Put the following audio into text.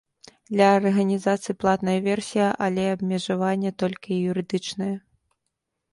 Для арганізацый платная версія, але абмежаванне толькі юрыдычнае.